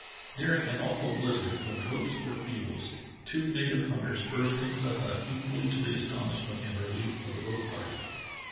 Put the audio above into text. During an awful blizzard, when hopes were feeblest, two native hunters burst into the hut equally to the astonishment and relief of the boat party.